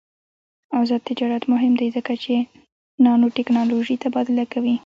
آزاد تجارت مهم دی ځکه چې نانوټیکنالوژي تبادله کوي.